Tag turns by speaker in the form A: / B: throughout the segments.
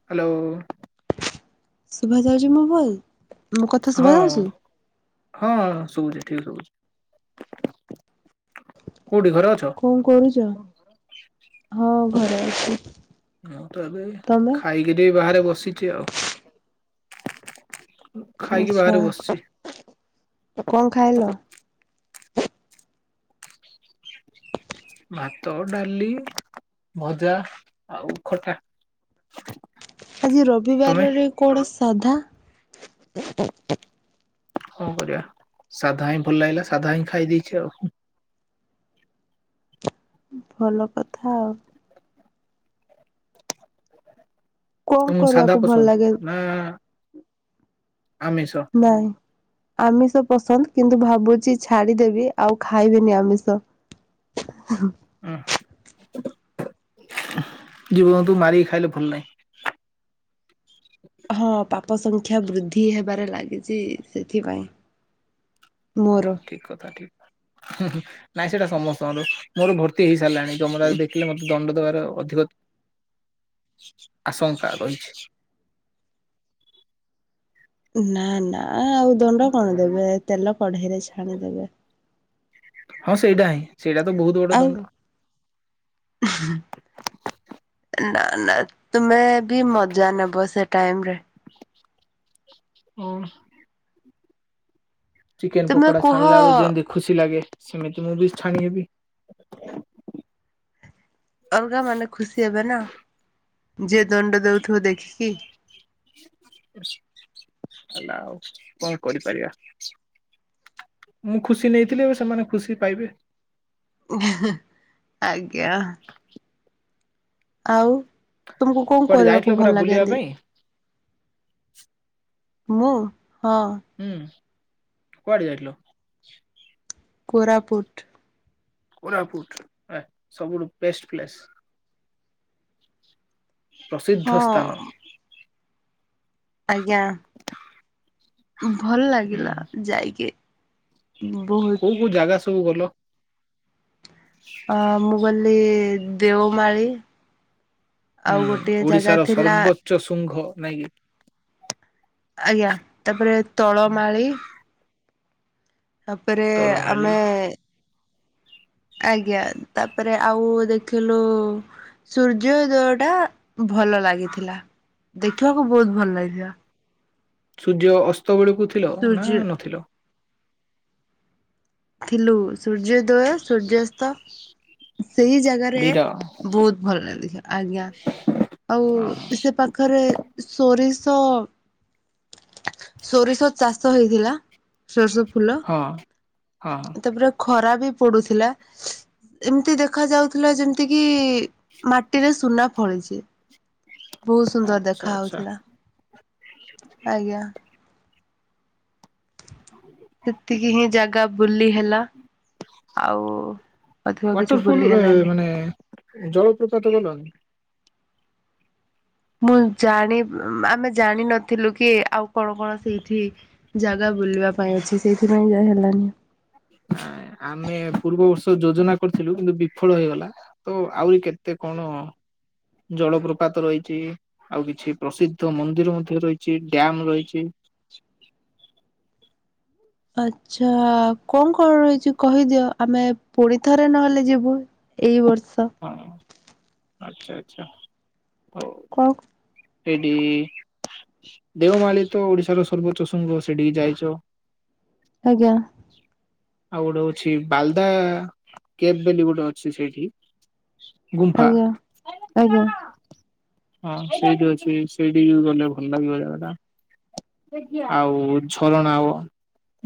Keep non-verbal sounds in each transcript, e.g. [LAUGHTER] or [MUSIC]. A: Hello!
B: ଶୁଭାଯାଉଛି ମୋ voice? ମୋ କଥା ଶୁଭା
A: ହଁ,
B: ଯାଉଛି?
A: ଅଁ। ହଁ, ଶୁଭୁଛି ଠିକ ଶୁଭୁଛି, କୋଉଠି ଘରେ ଅଛ?
B: କଣ କରୁଛ? ହଁ, ଘରେ ଅଛି।
A: ମୁଁ ତ ଏବେ
B: ତମେ?
A: ଖାଇକିରି ବାହାରେ ବସିଛି ଆଉ। ଖାଇକି
B: ଆଚ୍ଛା
A: ବାହାରେ ବସିଛି।
B: କଣ ଖାଇଲ?
A: ଭାତ, ଡାଲି, ଭଜା ଆଉ ଖଟା।
B: ଆଜି
A: ତମେ
B: ରବିବାରରେ କଣ ସାଧା?
A: କଣ କରିବା ସାଧା ହିଁ ଭଲ ଲାଗିଲା ସାଧା ହିଁ ଖାଇ ଦେଇଛି ଆଉ।
B: ଭଲ କଥା ଆଉ। କଣ
A: ତମକୁ ସାଧା
B: କରିବାକୁ ଭଲ ଲାଗେ?
A: ପସନ୍ଦ ନା ଆମିଷ?
B: ନାଇଁ। ଆମିଷ ପସନ୍ଦ କିନ୍ତୁ ଭାବୁଛି ଛାଡିଦେବି ଆଉ ଖାଇବନି ଆମିଷ। ହଁ,
A: ଓହୋ! ଜୀବଜନ୍ତୁ ମାରିକି ଖାଇଲେ ଭଲ ନାହିଁ।
B: ହଁ, ପାପ ସଂଖ୍ୟା ବୃଦ୍ଧି ହେବାରେ ଲାଗିଛି ସେଥିପାଇଁ
A: ହଁ,
B: ମୋର।
A: ଠିକ କଥା ଠିକ ନାଇଁ ସେଇଟା ସମସ୍ତଙ୍କର ମୋର ଭୋ କ୍ଷତି ହେଇସାରିଲାଣି ଯମରାଜ ଦେଖିଲେ ମୋତେ ଦଣ୍ଡ ଦବାର ଅଧିକ ଆଶଙ୍କା ରହିଛି।
B: ନା, ନା, ଆଉ ଦଣ୍ଡ କଣ ଦେବେ ତେଲ କଢେଇରେ ଛାଣିଦେବେ।
A: ହଁ, ସେଇଟା ହିଁ ସେଇଟା ତ ବହୁତ ବଡ ଦଣ୍ଡ।
B: ଉଁ ହଁ। ନା, ନା ତୁମେ ବି ମଜା ନେବ ସେ ଟାଇମରେ।
A: ଉଁ ହଁ। ଚିକେନ
B: ତୁମେ
A: ପକୋଡ଼ା
B: କୁହ
A: ଛାଣିଲା ବେଳେ ଯେମିତି ଖୁସି ଲାଗେ ସେମିତି ମୁଁ ବି ଛାଣି ହେବି।
B: ଅଲଗା ମାନେ ଖୁସି ହେବେ ନା, ଯିଏ ଦଣ୍ଡ ଦେଉଥିବ ଦେଖିକି।
A: ହେଲା ଆଉ କଣ କରିପାରିବା? ମୁଁ ଖୁସି ନେଇଥିଲି ଏବେ ସେମାନେ ଖୁସି ପାଇବେ।
B: ଆଜ୍ଞା! ଆଉ ତୁମକୁ କଣ
A: କୁଆଡେ ଯାଇଥିଲ
B: କରିବାକୁ ଭଲ
A: ପରା ବୁଲିବା
B: ଲାଗେଏନ୍ତି?
A: ପାଇଁ
B: ମୁଁ ହଁ।
A: ହୁଁ କୁଆଡେ ଯାଇଥିଲ?
B: କୋରାପୁଟ।
A: କୋରାପୁଟ ଏ ସବୁଠୁ ବେଷ୍ଟ ପ୍ଲେସ।
B: ହଁ
A: ପ୍ରସିଦ୍ଧ ସ୍ଥାନ।
B: ଆଜ୍ଞା, ଭଲ
A: ହୁଁ
B: ଲାଗିଲା ଯାଇକି। ବହୁତ।
A: ମୁଁ ଜାଗା ସବୁ ଗଲ।
B: ଅ ମୁଁ ଗଲି ଦେଓମାଳୀ ଆଉ ଗୋଟିଏ ଜାଗା ଥିଲା
A: ଉଚ୍ଚ ଶୁଙ୍ଘ ନାଇଁ କି?
B: ଆଜ୍ଞା, ତାପରେ ତଳମାଳି। ତାପରେ
A: ତଳମାଳି
B: ଆମେ ଆଜ୍ଞା, ତାପରେ ଆଉ ଦେଖିଲୁ ସୂର୍ଯ୍ୟ ଦେଓଟା। ଭଲ ଲାଗିଥିଲା। ଦେଖିବାକୁ ବହୁତ ଭଲ ଲାଗିିବ।
A: ସୂର୍ଯ୍ୟ ଅସ୍ତ ବେଳକୁ ଥିଲ ନା
B: ସୂର୍ଯ୍ୟ
A: ନଥିଲ।
B: ଥିଲୁ। ସୂର୍ଯ୍ୟୋଦୟ, ସୂର୍ଯ୍ୟାସ୍ତ ସେଇ ଜା ଗାରେ
A: ଦିଟା
B: ବହୁତ ଭଲ ଲାଗିଥିଲା। ଆଜ୍ଞା,
A: ହଁ
B: ଆଉ ସେ ପାଖରେ ସୋରିଷ, ସୋରିଷ ଚାଷ ହେଇଥିଲା। ସୋରିଷ ଫୁଲ
A: ହଁ ହଁ ହ।
B: ତାପରେ ଖରା ବି ପଡୁଥିଲା। ଏମିତି ଦେଖା ଯାଉଥିଲା ଯେମିତି କିି ମାଟିରେ ସୁନା ଫଳିଛି। ବହୁତ ସୁନ୍ଦର
A: ଆଚ୍ଛା
B: ଦେଖା
A: ଆଚ୍ଛା
B: ହଉଥିଲା। ଆଜ୍ଞା।
A: ହ
B: ସେତିକି ହିଁ ଜାଗା ବୁଲି ହେଲା। ଆଉ ଅଧିକ କିଛି ବୁଲି ହେଲାନି।
A: ଏଁ ଜଳପ୍ରପାତ ଗଲ?
B: ମୁଁ ଜାଣି ଉମ ଆମେ ଜାଣିିନଥିଲୁ କି ଆଉ କଣ କଣ ସେଇଠି ଜାଗା ବୁଲିବା ପାଇଁ ଅଛି। ସେଇଥିପାଇଁ ଯାଇ ହେଲାନି।
A: ଆମେ ପୂର୍ବ ବର୍ଷ ଯୋଜନା କରିଥିଲୁ କିନ୍ତୁ ବିଫଳ ହେଇଗଲା। ତ ଆହୁରି କେତେ କଣ ଜଳପ୍ରପାତ ରହିଛି? ଆଉ କିଛି ପ୍ରସିଦ୍ଧ ମନ୍ଦିର ମଧ୍ୟ ରହିଛି, ଡ୍ୟାମ ରହିଛି।
B: ଆଚ୍ଛା। କଣ କଣ ରହିଛି କହିଦିଅ ଆମେ ପୁଣିଥରେ ନହେଲେ ଯିବୁ? ଏଇ ବର୍ଷ।
A: ହଁ ଆଚ୍ଛା ଆଚ୍ଛା ହଉ।
B: କଣ
A: ହେଇଟି ଦେଓମାଳୀ ତ ଓଡିଶାର ସର୍ବୋଚ୍ଚ ଶୃଙ୍ଘ, ସେଠିକି ଯାଇଛ।
B: ଆଜ୍ଞା।
A: ଆଉ ଗୋଟେ ଅଛି, ବାଲଦା କେଭ ବୋଲି ଗୋଟେ ଅଛି ସେଇଠି। ଗୁମ୍ଫା।
B: ଆଜ୍ଞା ଆଜ୍ଞା
A: ହଁ ସେଇଠି ଅଛି। ସେଇଠି ବି ଗଲେ ଭଲ ଲାଗିବ ଜାଗାଟା। ଆଉ ଝରଣା ଆଉ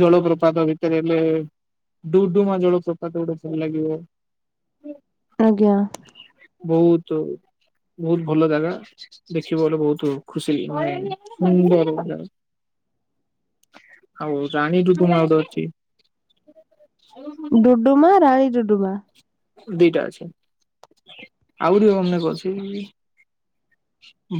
A: ଜଳପ୍ରପାତ ଭିତରେ ହେଲେ ଡୁଡୁମା ଜଳପ୍ରପାତ ଗୋଟେ ଭଲ ଲାଗିବ।
B: ଆଜ୍ଞା।
A: ବହୁତ, ବହୁତ ଭଲ ଜାଗା। ଦେଖିବ ବେଲେ ବହୁତ ଖୁସି [INAUDIBLE] ସୁନ୍ଦର ଜା ଆଉ ରାଣୀରୁୁତୁମୟ ଗୋଟେ ଅଛି।
B: ଡୁଡୁମା, ରାଣୀଡୁଡୁମା।
A: ଦିଟା ଅଛି। ଆହୁରି ଅନେକ ଅଛି।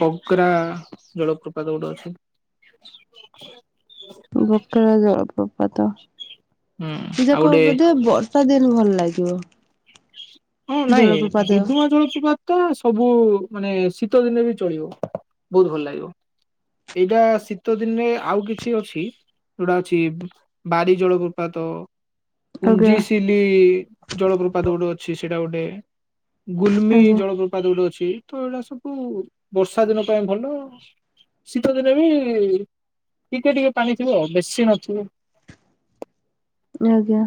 A: ବଗ୍ରା ଜଳପ୍ରପାତ ଗୋଟେ ଅଛି।
B: ବକେରା ଜଳପ୍ରପାତ
A: ହୁଁ
B: ଯିଏ
A: ଆଉ ଗୋଟେ
B: କହିବ ବୋଧେ ବର୍ ଶୀତ ଦିନ ଭଲ ଲାଗିବ।
A: ହଁ ନାଇଁ
B: ଜଳପ୍ରପାତ
A: ସୁୁଦୁଆ ଜଳସୁପାତ? ତ ସବୁ ମାନେ ଶୀତ ଦିନେ ବି ଚଳିବ ବହୁତ୍ ଭଲ ଲାଗିବ। ଏଇଟା ଶୀତ ଦିନରେ ଆଉ କିଛି ଅଛି? ଯୋଉଟା ଅଛି ବାରି ଜଳ ପ୍ରପାତ। କୁଞ୍ଜି
B: ଆଜ୍ଞା।
A: ସିଲି ଜଳପ୍ରପାତ ଗୋଟେ ଅଛି ସେଇଟା ଗୋଟେ? ଗୁଲ୍ମୀ
B: ଆଜ୍ଞା
A: ଜଳ [UNINTELLIGIBLE] [UNINTELLIGIBLE] ଅଛି ତ ଏଇଟା ସବୁ ବର୍ଷା ଦିନ ପାଇଁ ଭଲ। ଶୀତ ଦିନେ ବି ଟିକେ ଟିକେ ପାଣି ଥିବ ଆଉ ବେଶୀ ନଥିବ।
B: ଆଜ୍ଞା।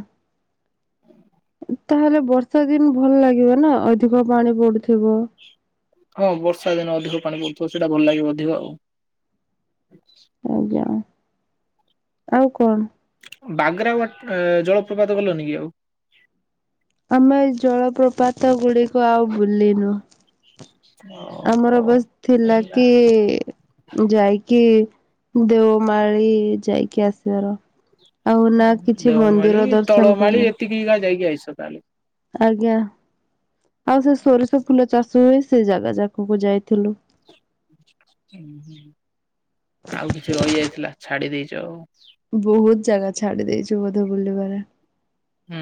B: ତାହେଲେ ବର୍ଷା ଦିନ ଭଲ ଲାଗିବ ନା ଅଧିକ ପାଣି ପଡୁଥିବ।
A: ହଁ ବର୍ଷା ଦିନେ ଅଧିକ ପାଣି ପଡୁଥିବ ସେଇଟା ଭଲ ଲାଗିବ ଅଧିକ ଆଉ।
B: ଆଜ୍ଞା ଆଉ କଣ?
A: ବାଘ୍ରା ଆଉ ଆ ଟେ ଜଳପ୍ରପାତ ଗଲନି କି ଆଉ।
B: ଆମେ ଏ ଜଳପ୍ରପାତ ଗୁଡିକ ଆଉ ବୁଲି ନୁ। ଆମର
A: ଓହୋ।
B: ବାସ୍ ଥିଲା
A: ହେଲା
B: କି ଯାଇକି ଦେଓମାଳି ଯାଇକି ଆସିବାର ଆଉ ନା କିଛି ମନ୍ଦିର ଦର୍ଶନ କର।
A: ଟିକି ଯାଇକି ଆସ ତାହେଲେ।
B: ଆଜ୍ଞା ଆଉ ସେ ସୋରିଷ ଫୁଲ ଚାଷ ହୁଏ ସେ ଜାଗା ଯାକୁ ଯାଇଥିଲୁ।
A: ହୁଁ ହୁଁ ଆଉ କିଛି ରହିଯାଇଥିଲା ଛାଡି ଦେଇଚ।
B: ବହୁତ ଜାଗା ଛାଡି ଦେଇଛୁ ବୋଧେ ବୁଲିବାରେ।
A: ହୁଁ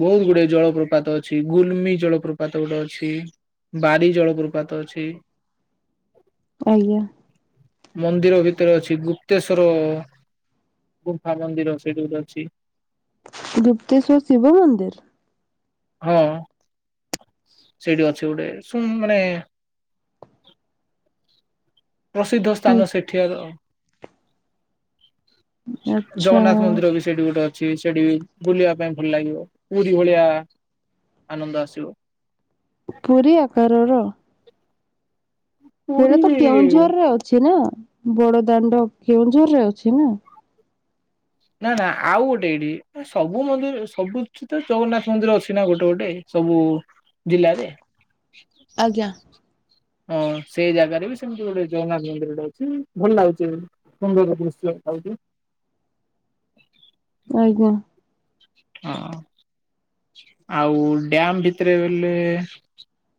A: ବହୁତ ଗୁଡେ ଜଳପ୍ରପାତ ଅଛି ଗୁଲମି ଜଳପ୍ରପାତ ଗୋଟେ ଅଛି। ବାରି ଜଳପପାତ ଅଛି।
B: ଆଜ୍ଞା।
A: ମନ୍ଦିର ଭିତରେ ଅଛି ଗୁପ୍ତେଶ୍ଵର ଗୁମ୍ଫା ମନ୍ଦିର ସେଇଠି ଗୋଟେ ଅଛି।
B: ଗୁପ୍ତେଶ୍ଵର ଶିବ ମନ୍ଦିରି।
A: ହଁ ସେଇଠି ଅଛି ଗୋଟେ ଶୁ ମାନେ ପ୍ରସିଦ୍ଧ ସ୍ଥାନ ସେଠିକାର
B: ଆଚ୍ଛା
A: ଜଗନ୍ନାଥ ମନ୍ଦିର ବି ସେଠି ଗୋଟେ ଅଛି ସେଠି ବୁଲିବା ପାଇଁ ଭଲ ଲାଗିବ ପୁରୀ ଭଳିଆ ଆନନ୍ଦ ଆସିବ।
B: ପୁରୀ ଆକାରର। ସେଇଟା
A: ପୁରୀ
B: ତ କେଉଁଝରରେ ଅଛି ନା ବଡ ଦାଣ୍ଡ କେଉଁଝର ରେ ଅଛି ନା।
A: ନା ନା ଆଉ ଗୋଟେ ଏଠି ସବୁ ମନ୍ଦି ସବୁ ଛିତ ଜଗନ୍ନାଥ ମନ୍ଦିର ଅଛି ନା ଗୋଟେ ଗୋଟେ। ସବୁ ଜିଲ୍ଲାରେ।
B: ଆଜ୍ଞା।
A: ହଁ ସେଇ ଜାଗାରେ ବି ସେମିତି ଗୋଟେ ଜଗନ୍ନାଥ ମନ୍ଦିରଟେ ଅଛି ଭଲ ଲାଗୁଛି। ସୁନ୍ଦରର ଦୃଶ ଆଉକି।
B: ଆଜ୍ଞ।
A: ହଁ ଆଉ ଡ୍ୟାମ ଭିତରେ ବଲେ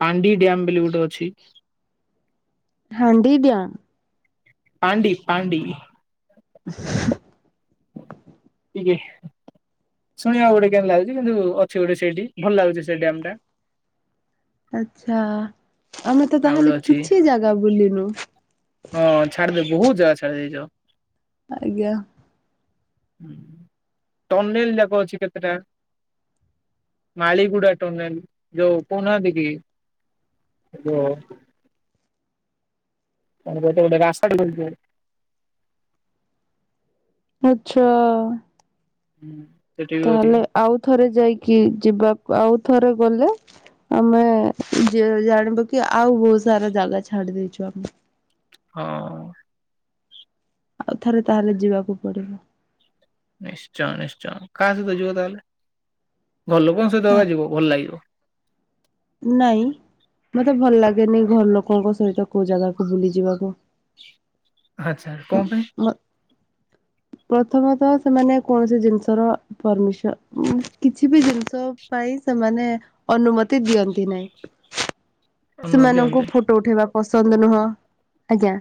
A: ପାଣ୍ଡି ଡ୍ୟାମ ବୋଲି ଗୋଟେ ଅଛି।
B: ହାଣ୍ଡି ଡ୍ୟାମ
A: ପାଣ୍ଡି ପାଣ୍ଡି।
B: [INAUDIBLE]
A: ଆଜ୍ଞା ଶୁଣିବାକୁ ଗୋଟେ କେମିତି ଲାଗୁଛି କିନ୍ତୁ ଅଛି ଗୋଟେ ସେଇଠି ଭଲ ଲାଗୁଛି ସେ ଡ୍ୟାମ୍ ଟା।
B: ଆଚ୍ଛା ଆମେ ତ
A: ଆଉ ଗୋଟେ
B: ତାହେଲେ
A: ଅଛି
B: କିଛି ଜାଗା ବୁଲିନୁ।
A: ହଁ ଛାଡିଦେ ବହୁତ ଜାଗା ଛାଡି ଦେଇଛ।
B: ଆଜ୍ଞା।
A: ଟନିଲି ଯାକ ଅଛି କେତେଟା। ମାଳିଗୁଡା ଟନେଲ ଯୋଉ କହୁ ନାହାନ୍ତି କି। ହେଲୋ [INAUDIBLE] ପର୍ବତ ଗୋଟେ ରାସ୍ତା ଟେ ପଡିଥାଏ।
B: ଆଚ୍ଛା।
A: ହୁଁ ସେଠି ବି ଅଛି।
B: ତାହେଲେ ଆଉ ଥରେ ଯାଇକି ଯିବାକୁ ଆଉ ଥରେ ଗଲେ ଆମେ ଯ ଜାଣିବା କି ଆଉ ବହୁତ ସାରା ଜାଗା ଛାଡି ଦେଇଚୁ ଆମେ।
A: ହଁ।
B: ଆଉ ଥରେ ତାହେଲେ ଯିବାକୁ ପଡିବ।
A: ନିଶ୍ଚୟ ନିଶ୍ଚୟ କାହା ସହିତ ଯିବ ତାହେଲେ ଘର ଲୋକଙ୍କ ସହିତ ହାକା ଯିବ ଭଲ ଲାଗିବ।
B: ନାଇଁ ମତେ ଭଲ ଲାଗେନି ଘର ଲୋକଙ୍କ ସହିତ କୋଉ ଜାଗାକୁ ବୁଲି ଯିବାକୁ।
A: ଆଚ୍ଛା କ ପାଇଁ।
B: ପ୍ରଥମତଃ ସେମାନେ କୌଣସି ଜିନିଷର ପରମିଶ କିଛି ବି ଜିନିଷ ପାଇଁ ସେମାନେ ଅନୁମତି ତି ଦିଅନ୍ତି ନାହିଁ
A: ଅନୁମତି
B: ସେମାନଙ୍କୁ
A: ଦିଅନ୍ତେ
B: ଫ ଟୋ ଉଠେଇବା ପସନ୍ଦ ନୁହଁ ଆଜ୍ଞା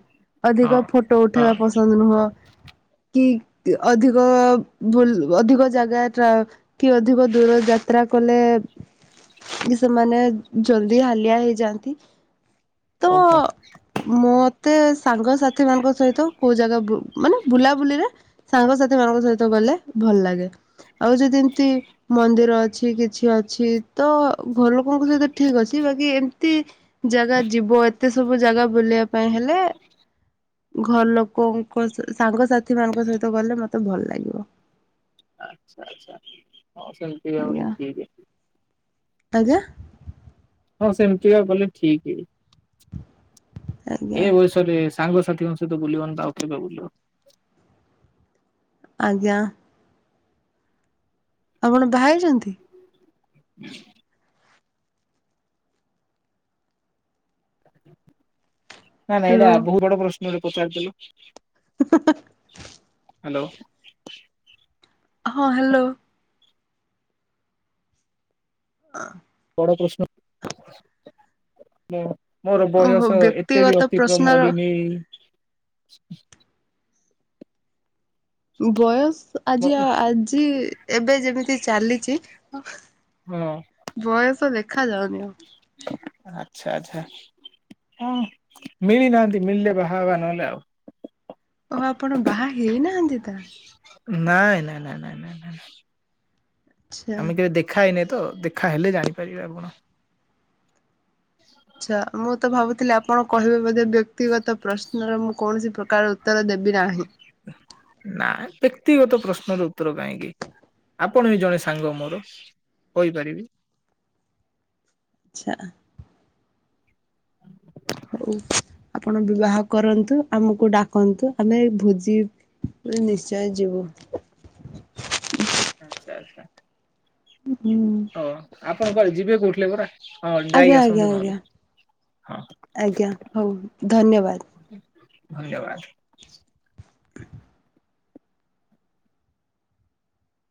A: ହଁ
B: ଅଧିକ ଫଟୋ
A: ହଁ
B: ଉଠେଇବା ପସନ୍ଦ ନୁହଁ। କି ଅଧିକ ବୁଲ ଅଧିକ ଜାଗା ଟ୍ରା କି ଅଧିକ ଦୂର ଯାତ୍ରା କଲେ କି ସେମାନେ ଜଲଦି ହାଲିଆ ହେଇଯାଆନ୍ତି।
A: ଓହୋ।
B: ମତେ ସାଙ୍ଗସାଥି ମାନଙ୍କ ସହିତ କୋଉ ଜାଗା ମାନେ ବୁଲାବୁଲିରେ ସାଙ୍ଗସାଥି ମାନଙ୍କ ସହିତ ଗଲେ ଭଲ ଲାଗେ। ଆଉ ଯଦି ଏମିତି ମନ୍ଦିର ଅଛି କିଛି ଅଛି ତ ଘର ଲୋକଙ୍କ ସହିତ ଠିକ ଅଛି ବାକି ଏମତି ଜାଗା ଯିବ ଏତେ ସବୁ ଜାଗା ବୁଲିବା ପାଇଁ ହେଲେ ଘର ଲୋକଙ୍କ ସ ସାଙ୍ଗସାଥି ମାନଙ୍କ ସହିତ ଗଲେ ମତେ ଭଲ ଲାଗିବ।
A: ଆଚ୍ଛା ଆଚ୍ଛା ହଉ ସେମିତି କା
B: ଆଜ୍ଞା
A: ଗଲେ ଠିକ।
B: ଆଜ୍ଞା।
A: ହଁ ସେମିତିକା ଗଲେ ଠିକ।
B: ଆଜ୍ଞା
A: ଏଇ ବୟସ ରେ ସାଙ୍ଗସାଥିଙ୍କ ସହିତ ବୁଲିବନି ତ ଆଉ କେବେ ବୁଲିବ।
B: ଆଜ୍ଞା। ଆପଣ ବାାହା ହେଇଛନ୍ତି।
A: [INAUDIBLE] ନା ନା ଏଇଟା
B: ହ୍ୟାଲୋ
A: ବହୁତ ବଡ ପ୍ରଶ୍ନ ଟେ ପଚାରିଦେଲ।
B: [INAUDIBLE]
A: ହ୍ୟାଲୋ।
B: ହଁ ହ୍ୟାଲୋ। ହ।
A: ବଡ଼ ପ୍ରଶ୍ନ ହଁ। ମୋର
B: ଓହୋ
A: ବୟସ ଏତେ
B: ବ୍ୟକ୍ତିଗତ
A: ବି ଅତିକ୍ରମ
B: ପ୍ରଶ୍ନର
A: ହେଇନି।
B: ବୟସ ଆଜି
A: ହଁ
B: ଆଜି ଏବେ ଯେମିତି ଚାଲିଛି ବୟସ ଦେଖା ଯାଉନି ଆଉ।
A: ଆଚ୍ଛା ଆଚ୍ଛା। ହ ମିଳିନାହାନ୍ତି ମିଳିଲେ ବାହା ହେବା ନହେଲେ ଆଉ।
B: ଓ ଆପଣ ବାହା ହେଇନାହାନ୍ତି ତା
A: ନାଇଁ ନାଇଁ ନାଇ ନାଇଁ
B: ଆଚ୍ଛା।
A: ଆମେ କେବେ ଦେଖ ଦେଖା ହେଇନି ତ ଦେଖା ହେଲେ ଜାଣିପାରିବେ ଆପଣ।
B: ଆଚ୍ଛା ମୁଁ ତ ଭାବୁଥିଲି ଆପଣ କହିବେ ବୋଧେ ବ୍ୟକ୍ତିଗତ ପ୍ରଶ୍ନର ମୁଁ କୌଣସି ପ୍ରକାର ଉତ୍ତର ଦେବି ନାହିଁ।
A: ନା ବ୍ୟକ୍ତିଗତ ପ୍ରଶ୍ନର ଉତ୍ତର କାଇଁକି ଆପଣ ବି ଜଣେ ସାଙ୍ଗ ମୋର କହିପାରିବି।
B: ଆଚ୍ଛା। ହଉ ଆପଣ ବିବାହ କରନ୍ତୁ ଆମକୁ ଡାକନ୍ତୁ ଆମେ ଭୋଜି ନିଶ୍ଚୟ ଯିବୁ।
A: Sir sir.
B: ହୁଁ।
A: ହଁ ଆପଣ କୁଆଡେ ଯିବେ କୋଉଥିଲେ ପରା ହଁ
B: ଆଜ୍ଞା
A: ଯାଇକି
B: ଆଜ୍ଞା
A: ଆସନ୍ତୁ
B: ଆଜ୍ଞା
A: ନହେଲେ, ହଁ
B: ଆଜ୍ଞା। ହଉ ଧନ୍ୟବାଦ।
A: ଧନ୍ୟବାଦ।